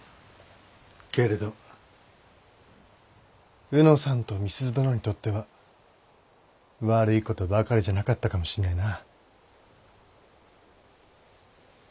けれど卯之さんと美鈴殿にとっては悪いことばかりじゃなかったかもしんねえな。